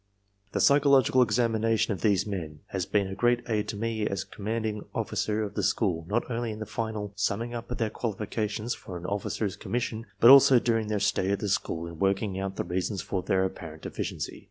"The psychological examination of these men ... has been a great aid to me as commanding officer of the school, not only in the final summing up of their qualifications for an officer's commission, but also during their stay at the school in working out the reasons for their apparent deficiency.